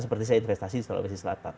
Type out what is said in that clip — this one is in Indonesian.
seperti saya investasi di sulawesi selatan